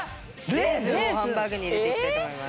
レーズンをハンバーグに入れていきたいと思います。